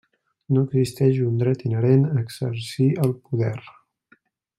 No existeix un dret inherent a exercir el poder.